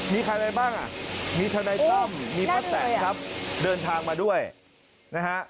มีใครใดบ้างมีทะนายตั้มมีมะแสงครับเดินทางมาด้วยนะฮะ